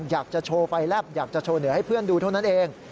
อยากจะโชว์ไฟแลบอยากจะโชว์เหนือให้เพื่อนดูเท่านั้นเอง